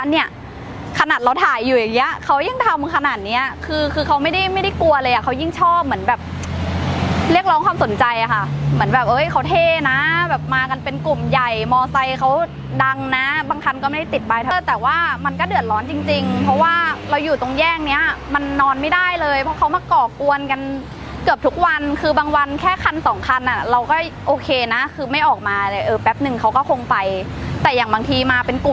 เรียกร้องความสนใจอะค่ะเหมือนแบบเอ้ยเขาเทนะแบบมากันเป็นกลุ่มใหญ่มอไซเขาดังนะบางครั้งก็ไม่ได้ติดไปแต่ว่ามันก็เดือดร้อนจริงเพราะว่าเราอยู่ตรงแย่งเนี้ยมันนอนไม่ได้เลยเพราะเขามากรอกวนกันเกือบทุกวันคือบางวันแค่คันสองคันอะเราก็โอเคนะคือไม่ออกมาแต่เออแป๊บนึงเขาก็คงไปแต่อย่างบางทีมาเป็นกลุ